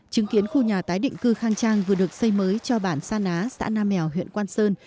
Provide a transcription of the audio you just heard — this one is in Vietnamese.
chứng kiến khu nhà tái định cư khang trang vừa được xây mới cho bản sa ná xã nam mèo huyện quang sơn